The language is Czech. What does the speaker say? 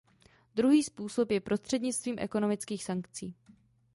Druhý způsob je prostřednictvím ekonomických sankcí.